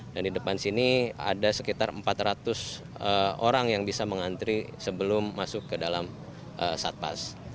dan di depan sini ada sekitar empat ratus orang yang bisa mengantri sebelum masuk ke dalam satpas